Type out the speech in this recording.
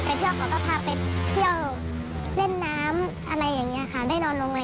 ไปเที่ยวก็พาไปเที่ยวเล่นน้ำอะไรอย่างนี้ค่ะ